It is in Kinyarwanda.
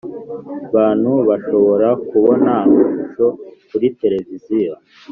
bantu bashobora kubona amashusho kuri television